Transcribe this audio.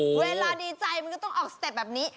เวลาดีใจมันก็ต้องออกสเต็ปแบบนี้